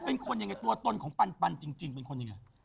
เป็นคนยังไงตัวตนของปันจริงเป็นคนยังไง